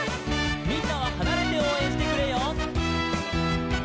「みんなははなれておうえんしてくれよ」